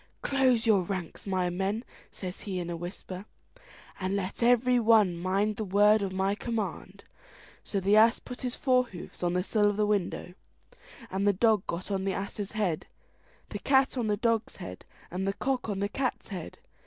"Close your ranks, my men," says he in a whisper, "and let every one mind the word of command." So the ass put his fore hoofs on the sill of the window, the dog got on the ass's head, the cat on the dog's head, and the cock on the cat's head.